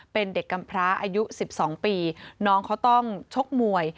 เป็นเด็กกำพร้าอายุ๑๒ปีน้องเขาต้องชกมวย